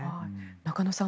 中野さん